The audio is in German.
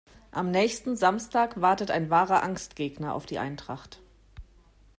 Am nächsten Samstag wartet ein wahrer Angstgegner auf die Eintracht.